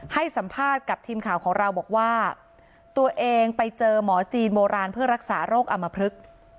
ให้สัมภาษณ์กับทีมข่าวของเราบอกว่าตัวเองไปเจอหมอจีนโบราณเพื่อรักษาโรคอมพลึก